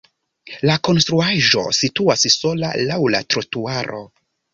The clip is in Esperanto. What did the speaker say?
La konstruaĵo situas sola laŭ la trotuaro.